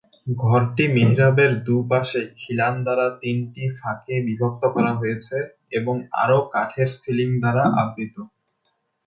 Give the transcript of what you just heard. ঘরটি মিহরাবের দুপাশে খিলান দ্বারা তিনটি ফাঁকে বিভক্ত করা হয়েছে এবং আরও কাঠের সিলিং দ্বারা আবৃত।